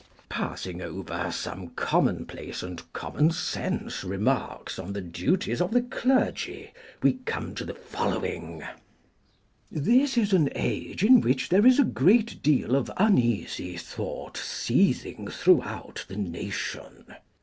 Passing over some commonplace and common sense remarks on the duties of the clergy, we come to the following:— "This is an age in which there is a great deal of uneasy thought seething throughout the nation.